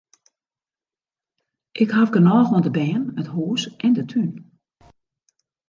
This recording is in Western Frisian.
Ik haw genôch oan de bern, it hûs en de tún.